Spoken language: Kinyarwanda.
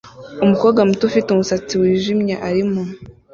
Umukobwa muto ufite umusatsi wijimye arimo